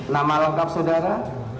nama lelokap saudara